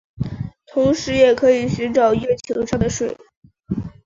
同时也可以寻找月球上的水。